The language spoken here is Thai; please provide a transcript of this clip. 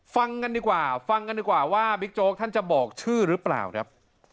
ฟังกันดีกว่าฟังกันดีกว่าว่าบิ๊กโจ๊กท่านจะบอกชื่อหรือเปล่าครับ